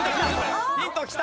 ヒントきた！